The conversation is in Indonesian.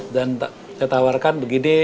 dan ditawarkan begini